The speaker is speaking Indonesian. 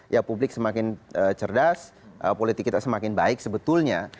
ya publik semakin cerdas politik kita semakin baik sebetulnya